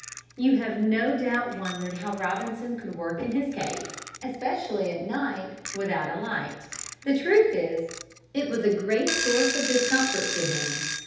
You have no doubt wondered how Robinson could work in his cave, especially at night without a light. The truth is, it was a great source of discomfort to him.